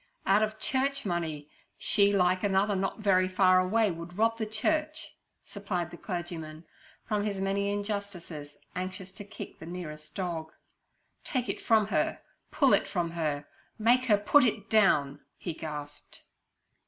'Out of church money. She, like another not very far away, would rob the church' supplied the clergyman, from his many injustices anxious to kick the nearest dog. 'Take it from her; pull it from her; make her put it down!' he gasped.